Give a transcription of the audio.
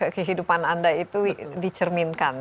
kehidupan anda itu dicerminkan